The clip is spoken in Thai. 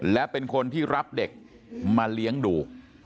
และเป็นคนที่รับเด็กมาเลี้ยงดู